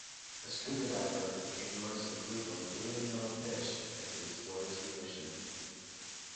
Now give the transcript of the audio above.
A scuba diver ignores a group of blue and yellow fish as he explores the ocean.